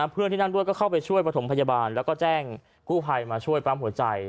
เพื่อนที่นั่งด้วยก็เข้าไปช่วยประถมพยาบาลแล้วก็แจ้งกู้ภัยมาช่วยปั๊มหัวใจ